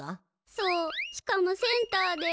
そうしかもセンターで。